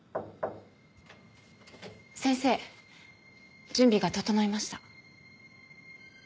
先生準備が整いました。